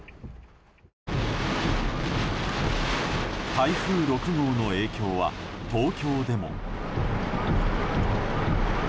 台風６号の影響は東京でも。